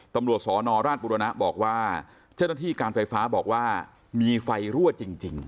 ตำรวจสนราชบุรณะบอกว่าเจ้าหน้าที่การไฟฟ้าบอกว่ามีไฟรั่วจริง